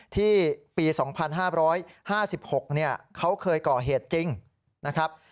ที่ปี๒๕๕๖เขาเคยก่อเหตุจริงนะครับ